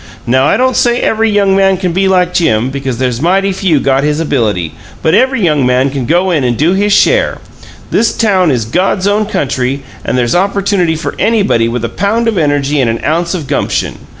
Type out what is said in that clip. Now, I don't say every young man can be like Jim, because there's mighty few got his ability, but every young man can go in and do his share. This town is God's own country, and there's opportunity for anybody with a pound of energy and an ounce o' gumption.